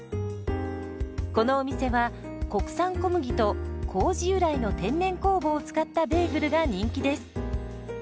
このお店は国産小麦と麹由来の天然酵母を使ったベーグルが人気です。